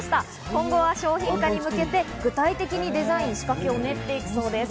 今後は商品化に向けて具体的にデザインや仕掛けを練っていくそうです。